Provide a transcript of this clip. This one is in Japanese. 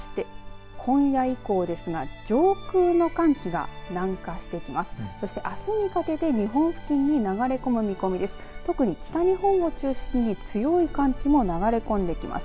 そして、今夜以降ですが上空の寒気が南下してきます。